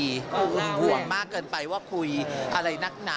ห่วงมากเกินไปว่าคุยอะไรนักหนา